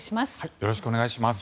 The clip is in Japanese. よろしくお願いします。